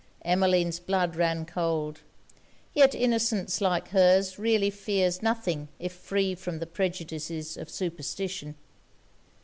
Emmeline's blood ran cold; yet innocence like her's really fears nothing if free from the prejudices of superstition.